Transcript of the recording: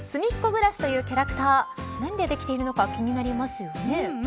ぐらしというキャラクター何で、できているのが気になりますよね。